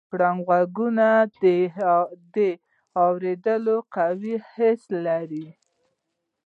پړانګ د غږونو د اورېدو قوي حس لري.